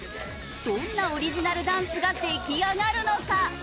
どんなオリジナルダンスが出来上がるのか？